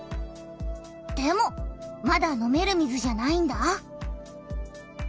でもまだ飲める水じゃないんだ。